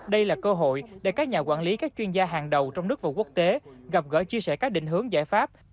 đây là cơ hội để các nhà quản lý các chuyên gia hàng đầu trong nước và quốc tế gặp gỡ chia sẻ các định hướng giải pháp